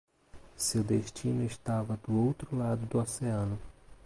Seu destino estava do outro lado do oceano